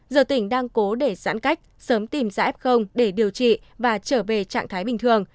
giờ tỉnh đang cố để giãn cách sớm tìm ra f để điều trị và trở về trạng thái bình thường